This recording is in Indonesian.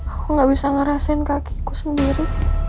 aku gak bisa ngerasain kakiku sendiri